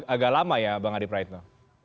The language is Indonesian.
agak lama ya bang adi praitno